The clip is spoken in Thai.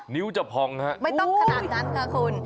นิ้วจะพองฮะไม่ต้องขนาดนั้นค่ะคุณ